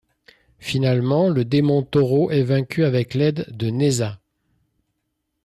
Finalement, le démon-taureau est vaincu avec l'aide de Nezha.